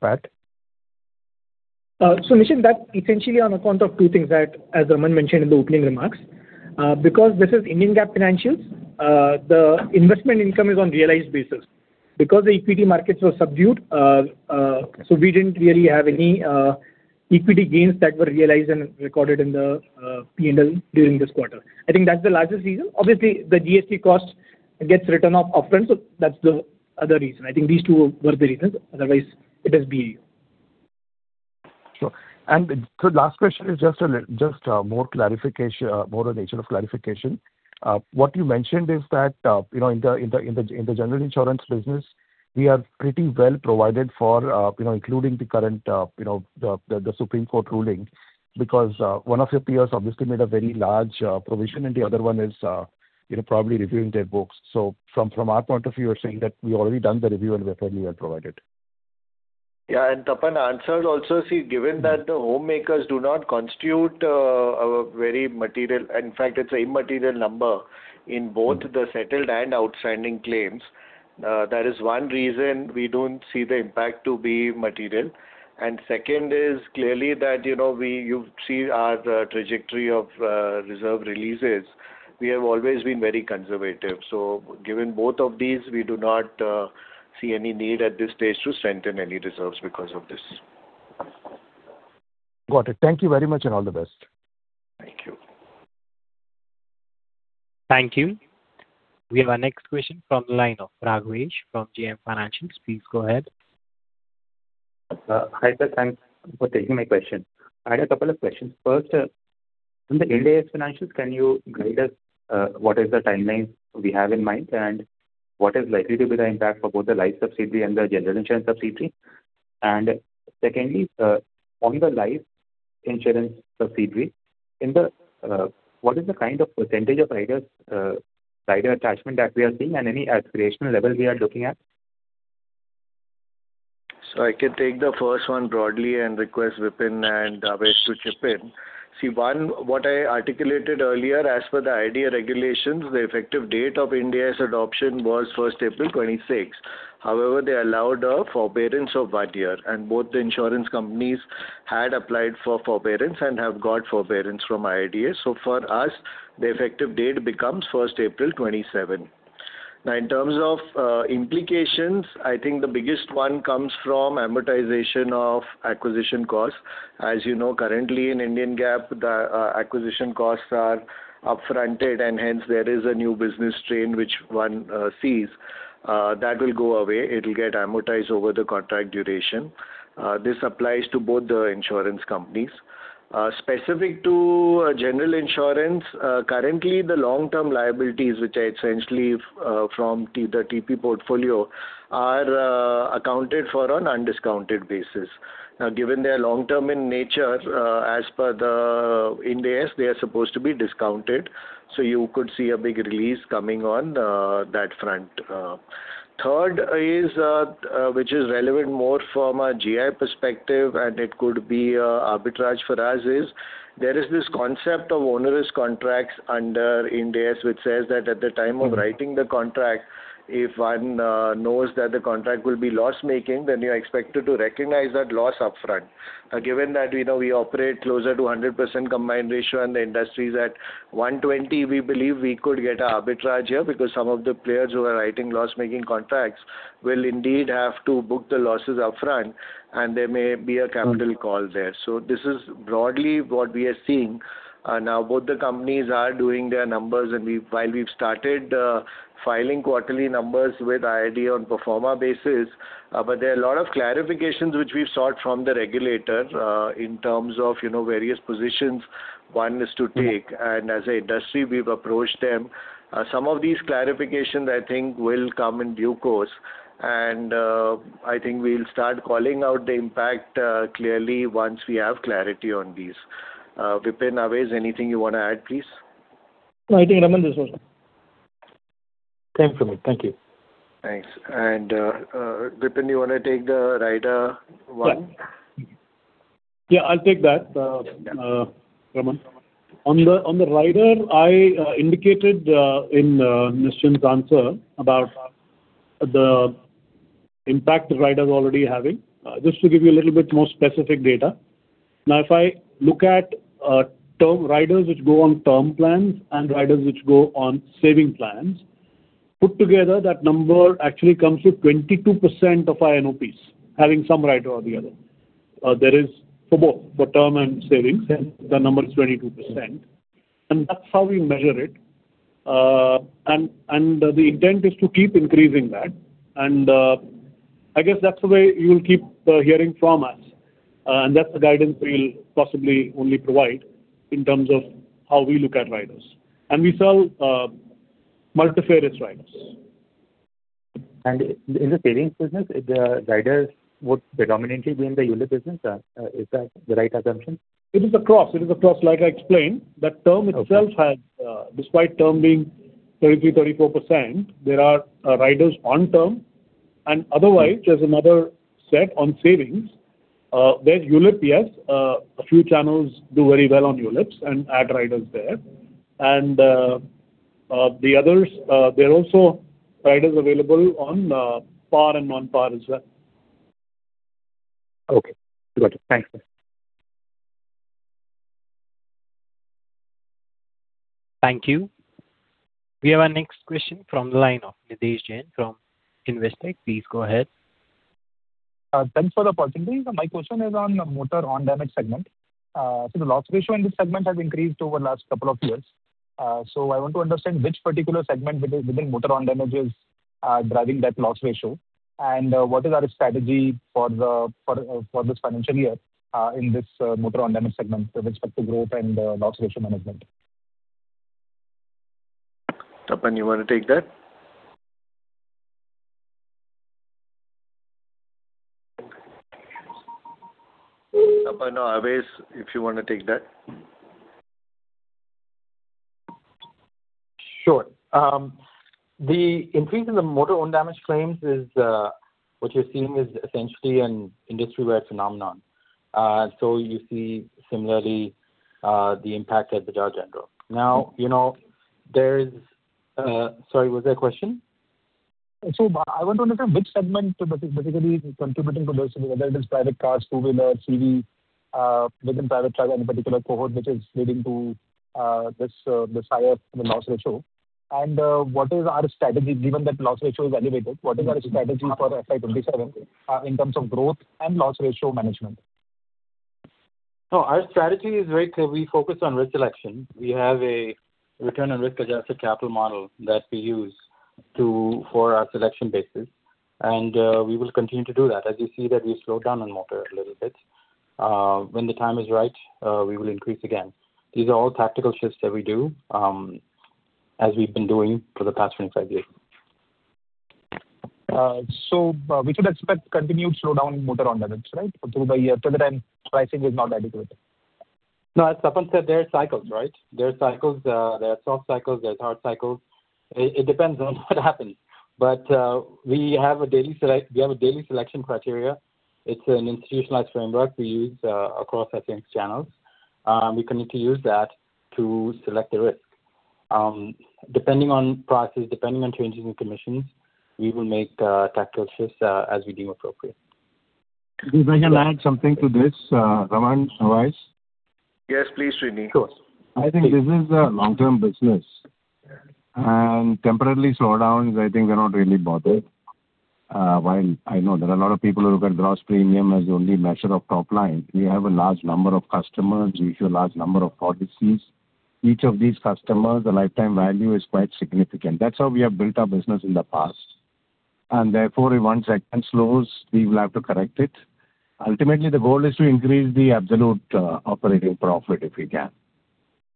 impact? Nischint, that's essentially on account of two things that, as Raman mentioned in the opening remarks. This is Indian GAAP financials, the investment income is on realized basis. The equity markets were subdued, we didn't really have any equity gains that were realized and recorded in the P&L during this quarter. I think that's the largest reason. Obviously, the GST cost gets written off upfront, that's the other reason. I think these two were the reasons. Otherwise, it is BE. Sure. The last question is just more a nature of clarification. What you mentioned is that in the general insurance business, we are pretty well provided for including the current Supreme Court ruling because one of your peers obviously made a very large provision and the other one is probably reviewing their books. From our point of view, you're saying that we've already done the review and we're firmly well provided. Yeah, Tapan answered also. See, given that the homemakers do not constitute a very immaterial number in both the settled and outstanding claims. That is one reason we don't see the impact to be material. Second is clearly that you see our trajectory of reserve releases. We have always been very conservative. Given both of these, we do not see any need at this stage to strengthen any reserves because of this. Got it. Thank you very much and all the best. Thank you. Thank you. We have our next question from the line of Raghvesh from JM Financial. Please go ahead. Hi, sir. Thanks for taking my question. I had a couple of questions. First, in the Ind AS financials, can you guide us what is the timeline we have in mind, and what is likely to be the impact for both the life subsidiary and the general insurance subsidiary? Secondly, on the life insurance subsidiary, what is the kind of percentage of rider attachment that we are seeing and any aspirational level we are looking at? I can take the first one broadly and request Vipin and Avais to chip in. One, what I articulated earlier, as per the IRDAI regulations, the effective date of Ind AS adoption was 1st April 2026. However, they allowed a forbearance of one year, and both the insurance companies had applied for forbearance and have got forbearance from IRDAI. For us, the effective date becomes 1st April 2027. In terms of implications, I think the biggest one comes from amortization of acquisition costs. As you know, currently in Indian GAAP, the acquisition costs are upfronted and hence there is a new business strain which one sees. That will go away. It will get amortized over the contract duration. This applies to both the insurance companies. Specific to general insurance, currently the long-term liabilities, which are essentially from the TP portfolio, are accounted for on undiscounted basis. Given they are long-term in nature, as per the Ind AS, they are supposed to be discounted. You could see a big release coming on that front. Third is, which is relevant more from a GI perspective, and it could be arbitrage for us is there is this concept of onerous contracts under Ind AS, which says that at the time of writing the contract, if one knows that the contract will be loss-making, then you're expected to recognize that loss upfront. Given that we operate closer to 100% combined ratio and the industry is at 120, we believe we could get arbitrage here because some of the players who are writing loss-making contracts will indeed have to book the losses upfront. There may be a capital call there. This is broadly what we are seeing. Both the companies are doing their numbers and while we've started filing quarterly numbers with IRDAI on pro forma basis, there are a lot of clarifications which we've sought from the regulator in terms of various positions one is to take. As an industry, we've approached them. Some of these clarifications, I think, will come in due course. I think we'll start calling out the impact clearly once we have clarity on these. Vipin, Avais, anything you want to add, please? No, I think Raman has answered. Thanks, Raman. Thank you. Thanks. Vipin, you want to take the rider one? Yeah, I'll take that, Raman. On the rider, I indicated in Nischint's answer about the impact riders already having. Just to give you a little bit more specific data. Now, if I look at term riders which go on term plans and riders which go on saving plans, put together that number actually comes to 22% of our NOPs, having some rider or the other. That is for both, for term and savings. Yeah. The number is 22%. That's how we measure it. The intent is to keep increasing that. I guess that's the way you'll keep hearing from us, and that's the guidance we'll possibly only provide in terms of how we look at riders. We sell multifaceted riders. In the savings business, the riders would predominantly be in the ULIP business. Is that the right assumption? It is across. Like I explained, the term itself has despite term being 33%, 34%, there are riders on term and otherwise, there's another set on savings, where ULIP, yes, a few channels do very well on ULIPs and add riders there. The others, there are also riders available on par and non-par as well. Okay. Got it. Thanks. Thank you. We have our next question from the line of Nidhesh Jain from Investec. Please go ahead. Thanks for the opportunity. My question is on motor own damage segment. The loss ratio in this segment has increased over last couple of years. I want to understand which particular segment within motor own damage is driving that loss ratio and what is our strategy for this financial year in this motor own damage segment with respect to growth and loss ratio management. Tapan, you want to take that? Tapan or Avais, if you want to take that. Sure. The increase in the motor own damage claims is what you're seeing is essentially an industry-wide phenomenon. You see similarly the impact at Bajaj General. Sorry, was there a question? I want to understand which segment basically is contributing to this, whether it is private cars, two-wheeler, TP within private car, any particular cohort which is leading to this higher loss ratio. What is our strategy given that loss ratio is elevated, what is our strategy for FY 2027 in terms of growth and loss ratio management? Our strategy is very clear. We focus on risk selection. We have a return on risk-adjusted capital model that we use for our selection basis, we will continue to do that. You see that we slowed down on motor a little bit. When the time is right, we will increase again. These are all tactical shifts that we do as we've been doing for the past 25 years. We should expect continued slowdown in motor own damage, right, through the year till the time pricing is not adequate? As Tapan said, there are cycles, right? There are cycles, there are soft cycles, there are hard cycles. It depends on what happens. We have a daily selection criteria. It's an institutionalized framework we use across our sales channels. We continue to use that to select the risk. Depending on prices, depending on changes in commissions, we will make tactical shifts as we deem appropriate. If I can add something to this, Raman, Avais. Yes, please, Sreenivasan. Sure. I think this is a long-term business and temporary slowdowns, I think, we're not really bothered. While I know there are a lot of people who look at gross premium as the only measure of top line, we have a large number of customers, we issue a large number of policies. Each of these customers, the lifetime value is quite significant. That's how we have built our business in the past. Therefore, if one segment slows, we will have to correct it. Ultimately, the goal is to increase the absolute operating profit, if we can,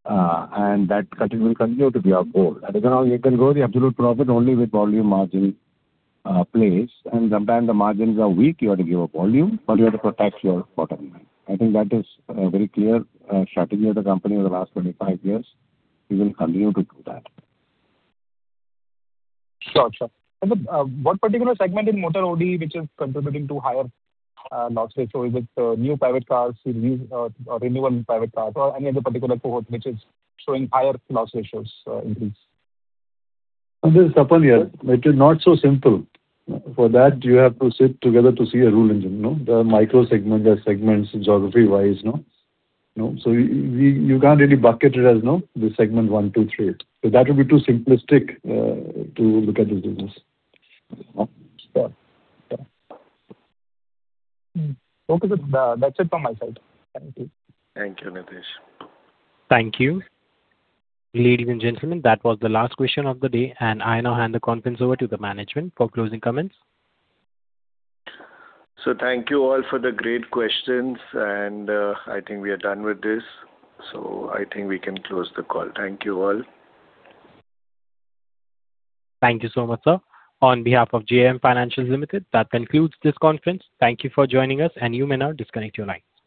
and that will continue to be our goal. You can grow the absolute profit only with volume margin plays, and sometimes the margins are weak, you have to give up volume, but you have to protect your bottom line. I think that is a very clear strategy of the company in the last 25 years. We will continue to do that. Sure, sir. What particular segment in motor OD, which is contributing to higher loss ratio? Is it new private cars, or renewal private cars or any other particular cohort which is showing higher loss ratios increase? This is Tapan here. It is not so simple. For that, you have to sit together to see a rule engine. There are micro segments, there are segments geography-wise. You can't really bucket it as the segment one, two, three. That would be too simplistic to look at the business. Sure. Okay, that's it from my side. Thank you. Thank you, Nidhesh. Thank you. Ladies and gentlemen, that was the last question of the day, and I now hand the conference over to the management for closing comments. Thank you all for the great questions. I think we are done with this. I think we can close the call. Thank you all. Thank you so much, sir. On behalf of JM Financial Limited, that concludes this conference. Thank you for joining us. You may now disconnect your lines.